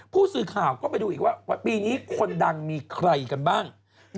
ผู้สื่อข่าวก็ไปดูอีกว่าปีนี้คนดังมีใครกันบ้าง